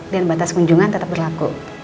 dan batas kunjungan tetap berlaku